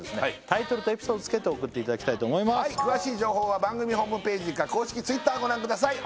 タイトルとエピソード付けて送っていただきたいと思います詳しい情報は番組ホームページか公式Ｔｗｉｔｔｅｒご覧ください